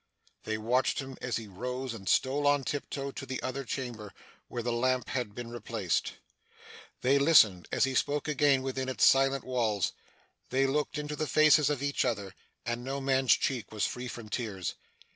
They watched him as he rose and stole on tiptoe to the other chamber where the lamp had been replaced. They listened as he spoke again within its silent walls. They looked into the faces of each other, and no man's cheek was free from tears.